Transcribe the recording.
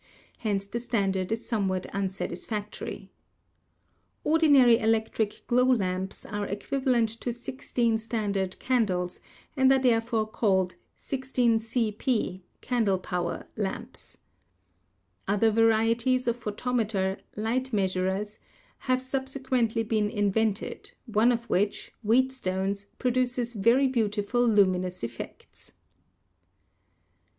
hence the standard is some what unsatisfactory. Ordinary electric glow lamps are equivalent to 16 standard candles and are therefore called 78 PHYSICS 16 c.p. (candle power) lamps. Other varieties of pho tometer ("light measurers") have subsequently been in vented, one of which, Wheatstone's, produces very beau tiful luminous effects.